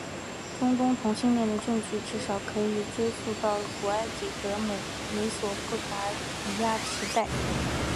中东同性恋的证据至少可以追溯到古埃及和美索不达米亚时代。